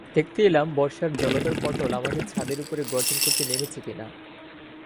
দেখতে এলেম বর্ষার জলধরপটল আমাদের ছাদের উপরে গর্জন করতে নেমেছে কি না।